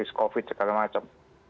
polisis covid segala macam